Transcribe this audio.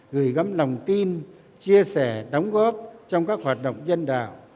gửi gắm lòng tin chia sẻ đóng góp trong các hoạt động nhân đạo